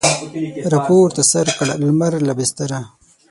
راپورته سر کړ لمر له بستره